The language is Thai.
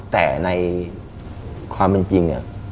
แต่ในความเป็นจริง